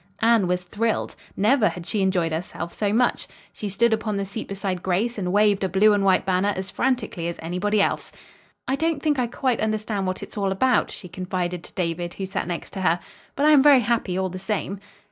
Anne was thrilled. Never had she enjoyed herself so much. She stood upon the seat beside Grace and waved a blue and white banner as frantically as anybody else. "I don't think I quite understand what it's all about," she confided to David, who sat next to her, "but I am very happy all the same."